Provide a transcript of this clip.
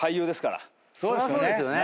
そうですよね。